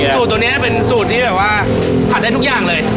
สูตรตัวนี้เป็นสูตรที่แบบว่าผัดได้ทุกอย่างเลย